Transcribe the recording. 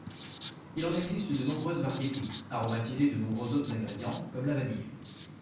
Il en existe de nombreuses variétés, aromatisées de nombreux autres ingrédients, comme la vanille.